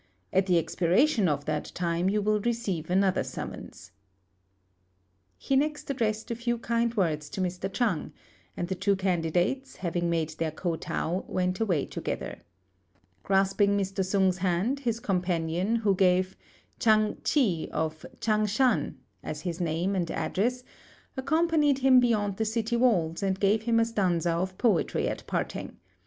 At the expiration of that time you will receive another summons." He next addressed a few kind words to Mr. Chang; and the two candidates, having made their kotow, went away together. Grasping Mr. Sung's hand, his companion, who gave "Chang Ch'i of Ch'ang shan" as his name and address, accompanied him beyond the city walls and gave him a stanza of poetry at parting.